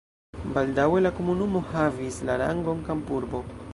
Baldaŭe la komunumo havis la rangon kampurbo.